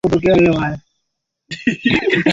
ilibainika kuwa hakuna boti za kutosha kwa wote